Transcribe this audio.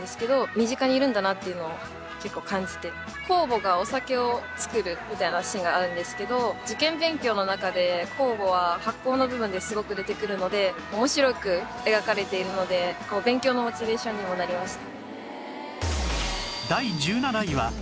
酵母がお酒を造るみたいなシーンがあるんですけど受験勉強の中で酵母は発酵の部分ですごく出てくるので面白く描かれているので勉強のモチベーションにもなりました。